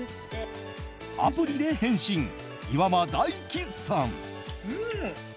アプリで変身、岩間大樹さん。